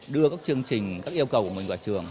đưa các chương trình các yêu cầu của mình vào trường